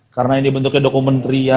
karena ini bentuknya dokumen pria